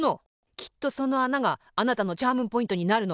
きっとそのあながあなたのチャームポイントになるの。